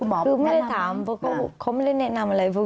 คือไม่ได้ถามเพราะเขาไม่ได้แนะนำอะไร